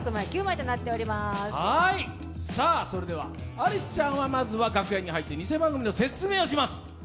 アリスちゃんはまずは楽屋に入って偽番組の説明をします。